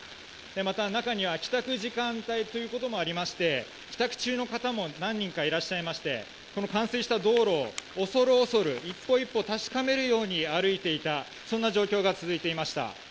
また中には帰宅時間帯ということもありまして帰宅中の方も何人かいらっしゃいましてこの冠水した道路を恐る恐る、一歩一歩確かめるように歩いていたそんな状況が続いていました。